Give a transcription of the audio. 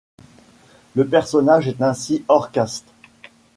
Le personnage est ainsi hors caste.